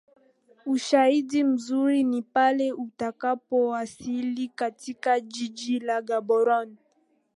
Ushahidi mzuri ni pale utakapowasili katika jiji la Gaborone